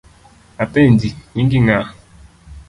Apenji, nyingi ng’a ?